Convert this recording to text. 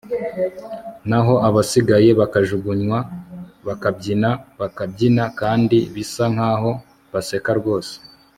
naho abasigaye bakajugunywa bakabyina bakabyina kandi bisa nkaho baseka rwose